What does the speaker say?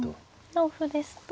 同歩ですと。